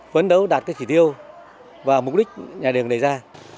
vấn đấu đạt cái chỉ tiêu và mục đích nhà đường này ra